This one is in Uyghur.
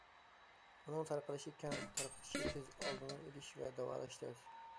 ئۇنىڭ تارقىلىشى كەڭ، تارقىتىشى تېز، ئالدىنى ئېلىش ۋە داۋالاش تەس.